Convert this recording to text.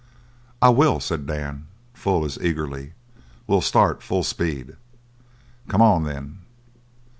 "I will!" said Dan, full as eagerly. "We'll start full speed." "Come on, then."